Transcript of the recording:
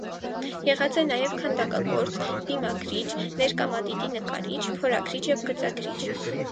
Եղած է նաեւ քանդակագործ, վիմագրիչ, ներկամատիտի նկարիչ, փորագրիչ եւ գծագրիչ։